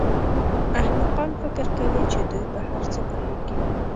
احمقان فکر کوي چې دوی په هر څه پوهېږي.